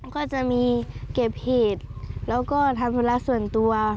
ก็จะมีเก็บเห็ดแล้วก็ทำสัญลักษณ์ส่วนตัว